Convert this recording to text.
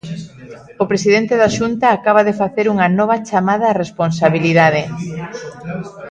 O presidente da Xunta acaba de facer unha nova chamada á responsabilidade.